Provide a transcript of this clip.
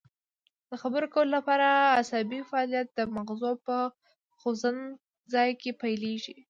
د خبرو کولو لپاره عصبي فعالیت د مغزو په خوځند ځای کې پیلیږي